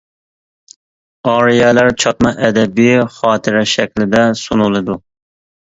ئارىيەلەر چاتما ئەدەبىي خاتىرە شەكلىدە سۇنۇلىدۇ.